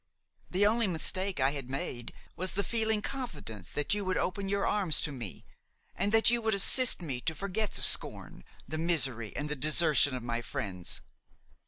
The only mistake I had made was the feeling confident that you would open your arms to me, and that you would assist me to forget the scorn, the misery and the desertion of my friends.